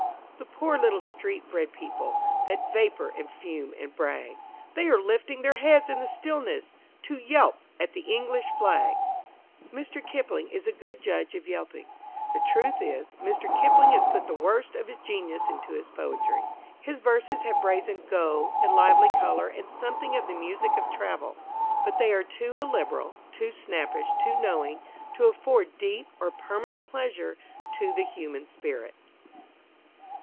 The poor little street bred people, that vapour, and fume, and brag, They are lifting their heads in the stillness, to yelp at the English flag! Mr. Kipling is a good judge of yelping. The truth is, Mr. Kipling has put the worst of his genius into his poetry. His verses have brazen "go" and lively colour and something of the music of travel; but they are too illiberal, too snappish, too knowing, to afford deep or permanent pleasure to the human spirit.